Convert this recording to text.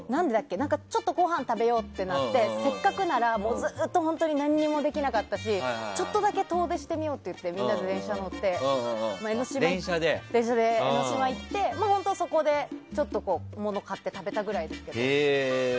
ちょっとごはん食べようってなってせっかくならずっと何もできなかったしちょっとだけ遠出してみようってみんなで電車乗って江の島行って、そこでもの買って食べたぐらいですけど。